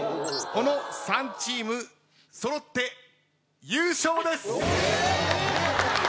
この３チーム揃って優勝です！